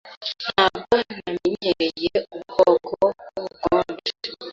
Ntabwo namenyereye ubu bwoko bwubukonje.